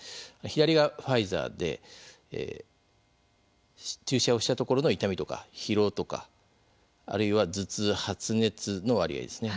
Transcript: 左がファイザーで注射をしたところの痛みとか疲労とかあるいは頭痛、発熱の割合ですね。